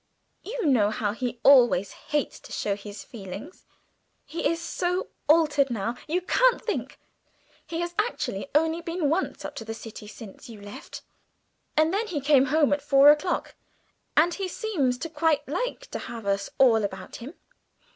You know how he always hates showing his feelings. "He is so altered now, you can't think. He has actually only once been up to the city since you left, and then he came home at four o'clock, and he seems to quite like to have us all about him.